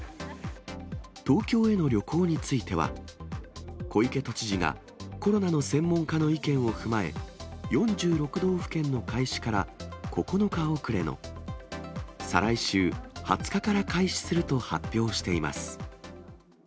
東京への旅行については、小池都知事がコロナの専門家の意見を踏まえ、４６道府県の開始から９日遅れの、再来週２０日から開始すると発表しています。